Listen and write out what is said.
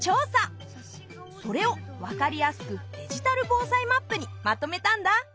それを分かりやすくデジタル防災マップにまとめたんだ。